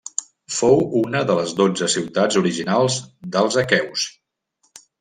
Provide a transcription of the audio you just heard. Fou una de les dotze ciutats originals dels aqueus.